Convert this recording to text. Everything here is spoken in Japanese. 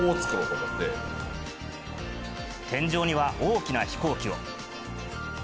天井には、大きな飛行機を。